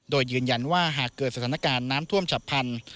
โดยยืนยันว่าหากเกิดสถานการณ์น้ำท่วมฉับพันธุ์